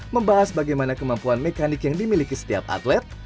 membahas bagaimana kemampuan mekanik yang dimiliki setiap atlet